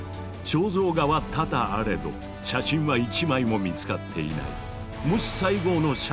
肖像画は多々あれど写真は一枚も見つかっていない。